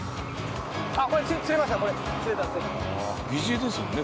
疑似餌ですよね？